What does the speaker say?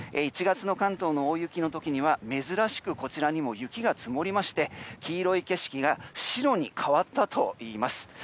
１月の関東の大雪の時には珍しく、こちらにも雪が積もりまして黄色い景色が白に変わったといいます。